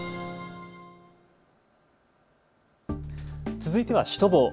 続いてはシュトボー。